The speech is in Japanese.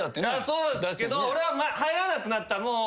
そうだけど俺は入らなくなったタイミング